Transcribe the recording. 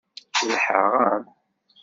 Kellḥeɣ-am.